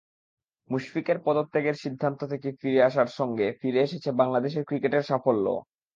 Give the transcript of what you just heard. মুশফিকের পদত্যাগের সিদ্ধান্ত থেকে ফিরে আসার সঙ্গে ফিরে এসেছে বাংলাদেশের ক্রিকেটের সাফল্যও।